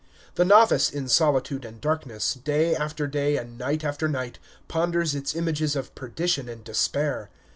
The novice, in solitude and darkness, day after day and night after night, ponders its images of perdition and despair.